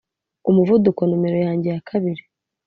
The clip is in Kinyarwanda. umuvuduko numero yanjye ya kabiri,